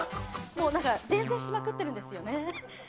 もうなんか、伝線しまくってるんですよね。